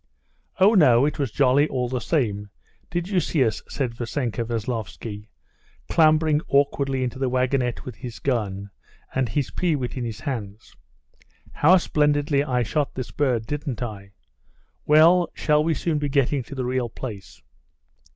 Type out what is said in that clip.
"Oh, no, it was jolly all the same. Did you see us?" said Vassenka Veslovsky, clambering awkwardly into the wagonette with his gun and his peewit in his hands. "How splendidly I shot this bird! Didn't I? Well, shall we soon be getting to the real place?"